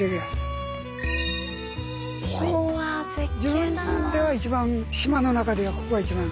自分では一番島の中ではここが一番。